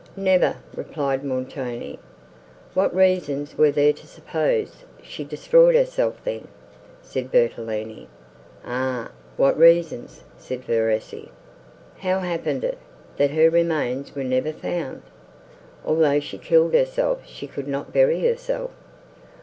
"Never!" replied Montoni. "What reasons were there to suppose she destroyed herself, then?" said Bertolini.—"Aye, what reasons?" said Verezzi.—"How happened it, that her remains were never found? Although she killed herself, she could not bury herself."